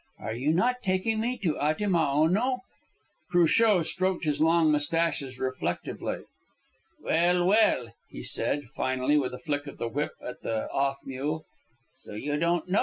Are you not taking me to Atimaono?" Cruchot stroked his long moustaches reflectively. "Well, well," he said finally, with a flick of the whip at the off mule, "so you don't know?"